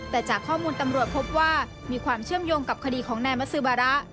แต่จากข้อมูลตำรวจพบว่ามีความเชื่อมโยงกับคดีของนายมัสือบาระ